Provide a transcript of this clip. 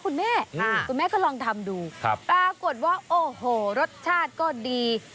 คุณแม่คุณแม่ก็ลองทำดูปรากฏว่าโอ้โหรสชาติก็ดี